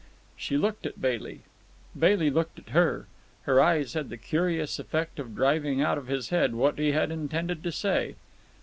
She looked at Bailey. Bailey looked at her. Her eyes had the curious effect of driving out of his head what he had intended to say.